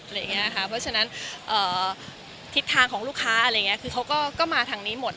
เพราะฉะนั้นคิดทางของลูกค้าเขาก็มาทางนี้หมด